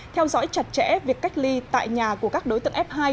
theo dõi chặt chẽ việc cách ly tại nhà của các đối tượng f hai